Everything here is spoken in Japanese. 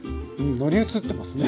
乗り移ってますかね。